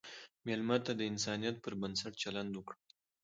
مېلمه ته د انسانیت پر بنسټ چلند وکړه.